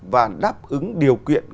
và đáp ứng điều kiện